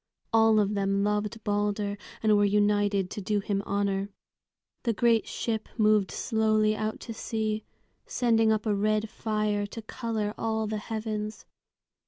All of them loved Balder, and were united to do him honor. The great ship moved slowly out to sea, sending up a red fire to color all the heavens.